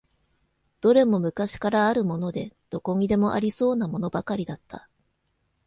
どれも昔からあるもので、どこにでもありそうなものばかりだった。